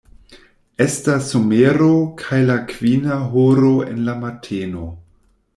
Estas somero kaj la kvina horo en la mateno.